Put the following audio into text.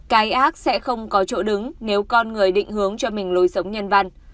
cái ác sẽ không có chỗ đứng nếu con người định hướng cho mình lối sống nhân văn